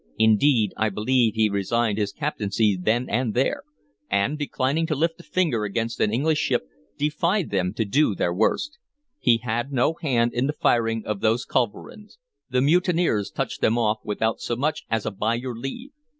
Indeed, I believe he resigned his captaincy then and there, and, declining to lift a finger against an English ship, defied them to do their worst. He had no hand in the firing of those culverins; the mutineers touched them off without so much as a 'by your leave.'